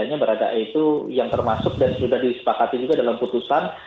yang berada e itu yang termasuk dan sudah disepakati juga dalam putusan